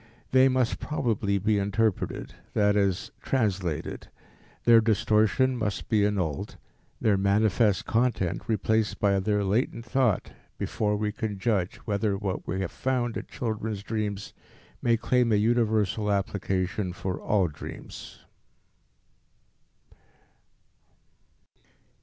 They must probably be interpreted, that is, translated; their distortion must be annulled; their manifest content replaced by their latent thought before we can judge whether what we have found in children's dreams may claim a universal application for all dreams.